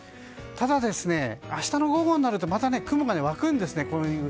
ただ、明日の午後になるとまた雲が湧くんですね。